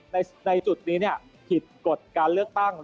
ในจุดนี้ผิดกฎการเลือกตั้ง